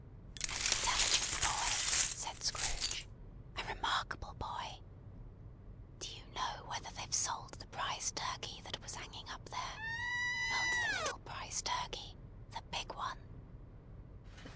"An intelligent boy!" said Scrooge. "A remarkable boy! Do you know whether they've sold the prize Turkey that was hanging up there? Not the little prize Turkey: the big one?"